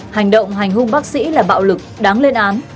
hành động hành hung bác sĩ là bạo lực đáng lên án